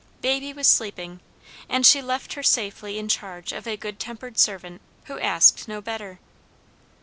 Baby was sleeping, and she left her safely in charge of a good tempered servant who asked no better.